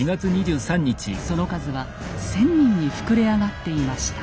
その数は１，０００人に膨れ上がっていました。